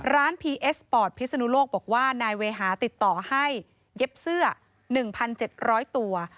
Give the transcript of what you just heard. พีเอสปอร์ตพิศนุโลกบอกว่านายเวหาติดต่อให้เย็บเสื้อ๑๗๐๐ตัว